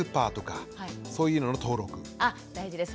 あ大事です。